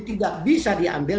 tidak bisa diambil